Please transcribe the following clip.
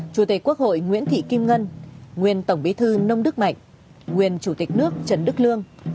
chủ tịch quốc hội nguyễn thị kim ngân nguyên tổng bí thư nông đức mạnh nguyên chủ tịch nước trần đức lương